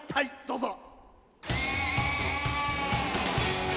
どうぞ。